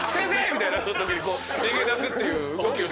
みたいになったときに逃げ出すっていう。